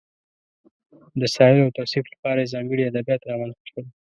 د ستایلو او توصیف لپاره یې ځانګړي ادبیات رامنځته شول.